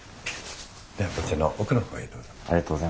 ではこちらの奥の方へどうぞ。